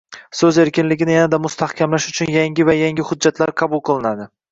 So'z erkinligi ni yanada mustahkamlash uchun yangi va yangi hujjatlar qabul qilinadi